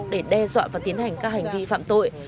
để đe dọa và tiến hành các hành vi phạm tội